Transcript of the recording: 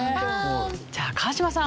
じゃあ川島さん。